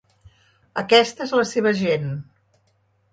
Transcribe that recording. Aquesta és la seva gent.